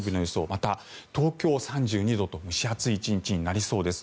また東京、３２度と蒸し暑い１日になりそうです。